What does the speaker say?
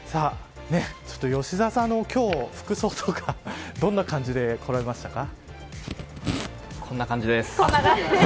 ちょっと吉沢さんの今日、服装とかどんな感じで来られましたか。